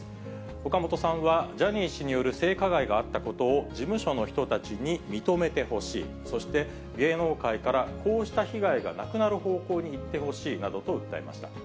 オカモトさんは、ジャニー氏による性加害があったことを事務所の人たちに認めてほしい、そして芸能界からこうした被害がなくなる方向にいってほしいなどと訴えました。